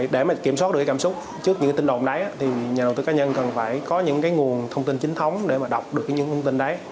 để kiểm soát được cảm xúc trước những tin đồn này thì nhà đầu tư cá nhân cần phải có những cái nguồn thông tin chính thống để mà đọc được những thông tin đấy